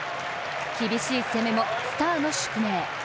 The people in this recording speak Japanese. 厳しい攻めも、スターの宿命。